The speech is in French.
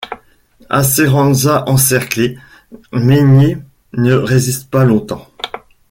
Acerenza encerclée, Mainier ne résiste pas longtemps.